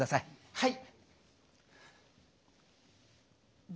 はい？